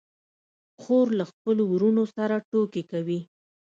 خور له خپلو وروڼو سره ټوکې کوي.